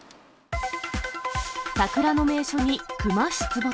桜の名所にクマ出没。